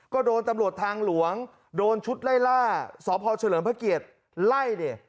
ก็โดนตำรวจทางหลวงโดนชุดไล่ล่าสพเฉลิมพระเกียรติไล่ดิ